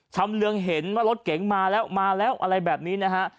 ชำเรืองเห็นว่ารถเก๋งมาแล้วมาแล้วอะไรแบบนี้นะฮะ